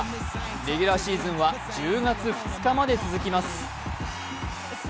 レギュラーシーズンは１０月２日まで続きます。